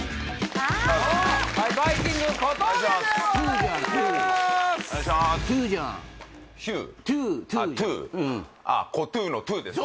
あっ小トゥーのトゥーですね